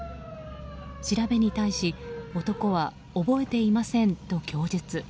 調べに対し、男は覚えていませんと供述。